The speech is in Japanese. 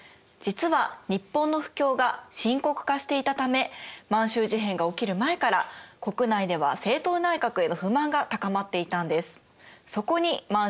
実は日本の不況が深刻化していたため満州事変が起きる前から国内では政党内閣への不満が高まっていたんです。